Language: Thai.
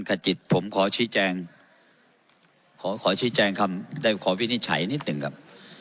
ขจิตผมขอชี้แจงขอขอชี้แจงคำได้ขอวินิจฉัยนิดหนึ่งครับ